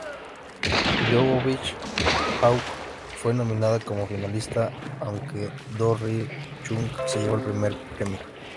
Jovovich-Hawk fue nominada como finalista, aunque Doo-Ri Chung se llevó el primer premio.